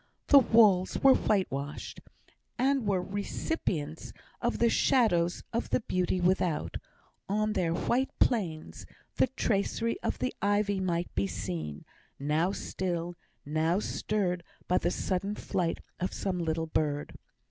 The walls were whitewashed, and were recipients of the shadows of the beauty without; on their "white plains" the tracery of the ivy might be seen, now still, now stirred by the sudden flight of some little bird.